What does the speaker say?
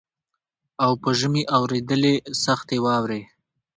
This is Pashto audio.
او په ژمي اورېدلې سختي واوري